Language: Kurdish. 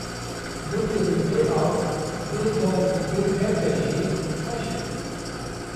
gundê min bê av, bê dar û ber be jî xweş e